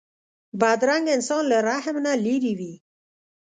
بدرنګه انسان له رحم نه لېرې وي